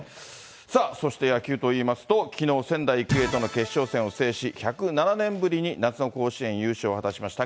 さあ、そして野球といいますと、きのう仙台育英との決勝戦を制し、１０７年ぶりに夏の甲子園優勝を果たしました。